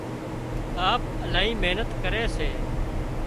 ٻاپ الاهي محنت ڪري سي